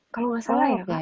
kalau enggak salah ya kak